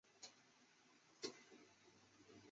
后担任琼州教授。